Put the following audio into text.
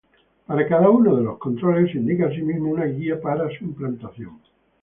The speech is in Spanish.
Para cada uno de los controles se indica asimismo una guía para su implantación.